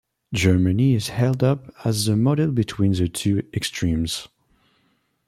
Germany is held up as the model between the two extremes.